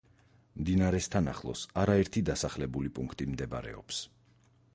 მდინარესთან ახლოს არაერთი დასახლებული პუნქტი მდებარეობს.